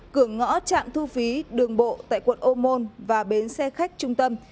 cửa ngõ trạm thu phí đường bộ tại quận ô môn và bến xe khách trung tâm